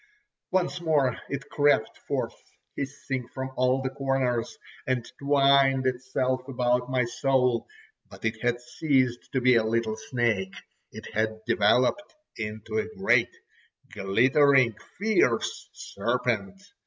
Once more it crept forth hissing from all the corners, and twined itself about my soul; but it had ceased to be a little snake, it had developed into a great, glittering, fierce serpent.